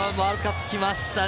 きましたね！